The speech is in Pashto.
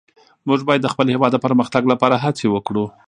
موږ باید د خپل هېواد د پرمختګ لپاره هڅې وکړو.